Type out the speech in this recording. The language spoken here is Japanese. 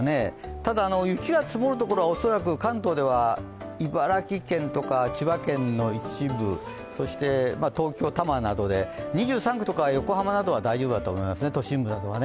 ただ、雪が積もる所は恐らく関東では茨城県とか千葉県の一部、そして東京・多摩などで２３区とか横浜などは大丈夫だと思います、都心部などはね。